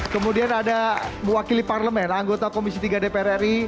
kemudian ada mewakili parlemen anggota komisi tiga dpr ri